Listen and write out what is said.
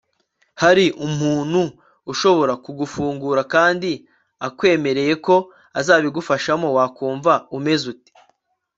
hari umuntu ushobora kugufungura kandi akwemereye ko azabigufashamo Wakumva umeze ute